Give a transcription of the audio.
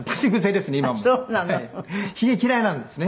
ヒゲ嫌いなんですね。